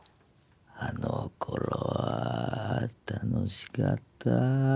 あのころは楽しかった。